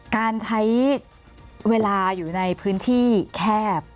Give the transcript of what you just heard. การใช้เวลาอยู่ในพื้นที่แคบ